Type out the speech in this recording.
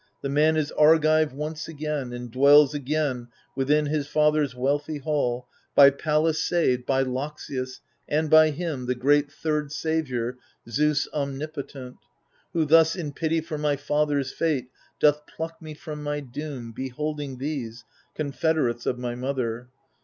The man is Argive once agcdn^ and dwells Again within his father* s wealthy holly By Pallas saved, by Loxias, and by Him, The great third saviour, Zeus omnipotent — Who thus in pity for my father's fate Doth pluck me from my doom, beholding these, Confederates of my mother.